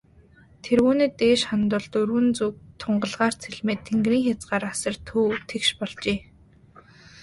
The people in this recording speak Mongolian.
Тэргүүнээ дээш хандвал, дөрвөн зүг тунгалгаар цэлмээд, тэнгэрийн хязгаар асар өв тэгш болжээ.